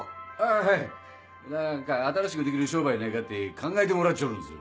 あはい何か新しくできる商売ないかって考えてもらっちょるんです。